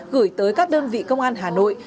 gửi tới các đơn vị công an hà nội